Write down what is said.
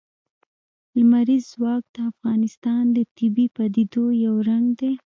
لمریز ځواک د افغانستان د طبیعي پدیدو یو رنګ دی.